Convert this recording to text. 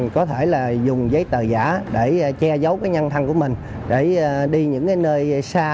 có thể là dùng giấy tờ giả để che giấu cái nhân thân của mình để đi những nơi xa